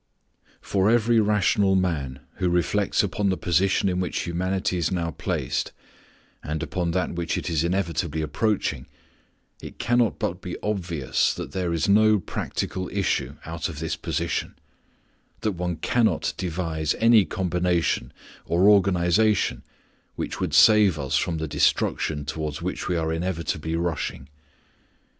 For every rational man who reflects upon the position in which humanity is now placed and upon that which it is inevitably approaching, it cannot but be obvious that there is no practical issue out of this position, that one cannot devise any combination or organization which would save us from the destruction toward which we are inevitably rushing.